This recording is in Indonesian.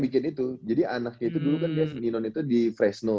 bikin itu jadi anaknya itu dulu kan dia di fresno